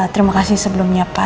terima kasih sebelumnya pak